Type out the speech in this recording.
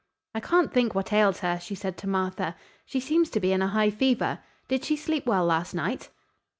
"I can't think what ails her," she said to Martha. "She seems to be in a high fever. Did she sleep well last night?"